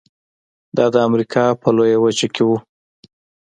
دا د امریکا په لویه وچه کې و.